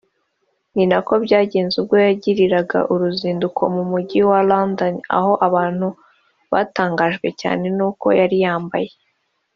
ninako byagenze ubwo yagiriraga uruzinduko mu mujyi wa London aho abantu batangajwe cyane n’uko yari yambaye